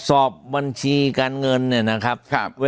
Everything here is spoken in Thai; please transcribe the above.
สอบบัญชีการเงินเนี่ยนะครับ